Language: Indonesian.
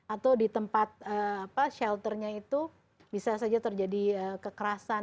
atau di tempat shelternya itu bisa saja terjadi kekerasan